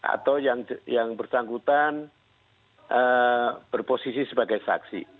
atau yang bersangkutan berposisi sebagai saksi